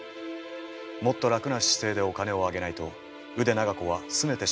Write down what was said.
もっと楽な姿勢でお金をあげないと腕長子はすねてしまいます。